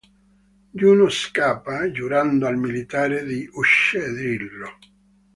Juno scappa, giurando al militare di ucciderlo.